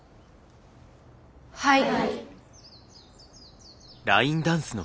はい。